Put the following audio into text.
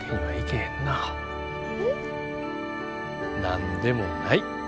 何でもない。